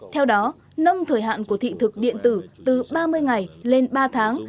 theo đó nâng thời hạn của thị thực điện tử từ ba mươi ngày lên ba tháng